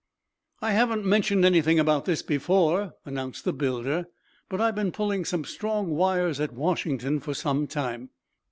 "I haven't mentioned anything about this before," announced the builder, "but I've been pulling some strong wires at Washington for some time.